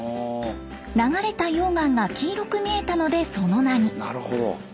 流れた溶岩が黄色く見えたのでその名に。